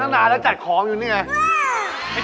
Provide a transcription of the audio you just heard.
มานานแล้วจัดของอยู่เนี่ย